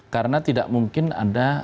karena tidak mungkin ada